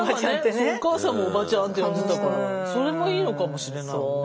お母さんも「おばちゃん」って呼んでたからそれもいいのかもしれないわね。